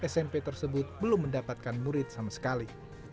smp tersebut belum mendapatkan murid sama sekali